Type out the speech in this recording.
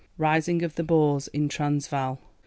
Rising of the Boers in the Transvaal.